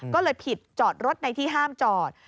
ก็เลยผิดจอดรถในที่ห้ามจอด